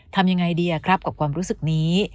ทำยังไงดีครับกับความรู้สึกนี้